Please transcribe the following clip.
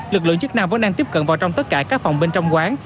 lực lượng chức năng vẫn đang tiếp cận vào trong tất cả các phòng bên trong quán